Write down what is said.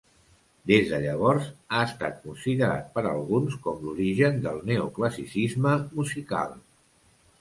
Des de llavors ha estat considerat per alguns com l'origen del neoclassicisme musical.